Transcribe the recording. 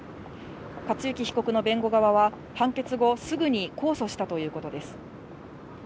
克行被告の弁護側は判決後、すぐに控訴したということです。